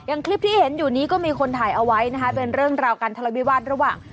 คลิปที่เห็นอยู่นี้ก็มีคนถ่ายเอาไว้นะคะเป็นเรื่องราวการทะเลาวิวาสระหว่าง